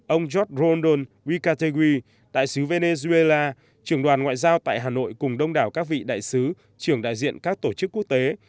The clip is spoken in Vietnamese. ông george rondon wicca tegui đại sứ venezuela trường đoàn ngoại giao tại hà nội cùng đông đảo các vị đại sứ trưởng đại diện các tổ chức quốc tế